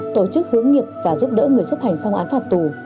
tổ chức hướng nghiệp và giúp đỡ người chấp hành xong án phạt tù